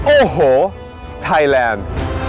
โอ้โหไทยแลนด์